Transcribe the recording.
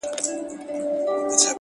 • یوه ورځ به دي چیچي، پر سپینو لېچو،